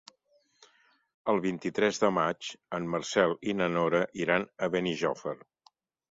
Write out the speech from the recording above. El vint-i-tres de maig en Marcel i na Nora iran a Benijòfar.